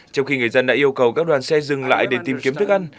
trong khi người dân đã yêu cầu các đoàn xe dừng lại để tìm kiếm thức ăn